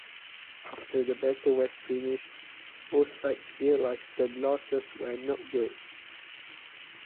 After the battle was finished both sides realized the losses were not great.